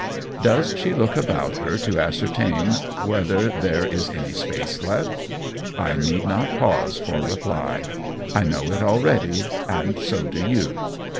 Does she look about her to ascertain whether there is any space left? I need not pause for reply. I know it already, and so do you.